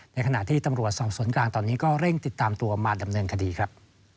ขณะที่ตำรวจสอบสวนกลางตอนนี้ก็เร่งติดตามตัวมาดำเนินคดีครับ